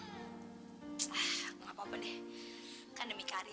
aku ngapapun deh kan demi karir